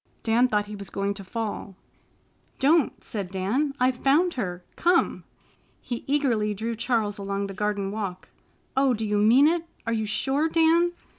Dan thought he was going to fall. "Don't!" said Dan. "I've found her. Come!" He eagerly drew Charles along the garden walk. "Oh, do you mean it? Are you sure, Dan?"